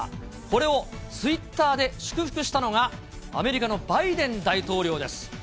これをツイッターで祝福したのが、アメリカのバイデン大統領です。